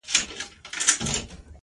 اوازې بې دروازې نه وي.